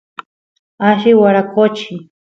alli waraqochi